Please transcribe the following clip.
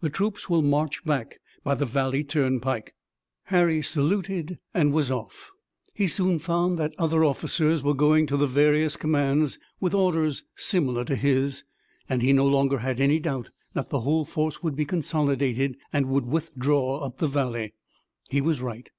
The troops will march back by the valley turnpike." Harry saluted and was off. He soon found that other officers were going to the various commands with orders similar to his, and he no longer had any doubt that the whole force would be consolidated and would withdraw up the valley. He was right.